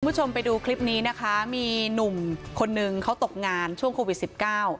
คุณผู้ชมไปดูคลิปนี้นะคะมีหนุ่มคนนึงเขาตกงานช่วงโควิดสิบเก้า